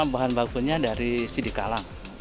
bahan bakunya dari sidik kalang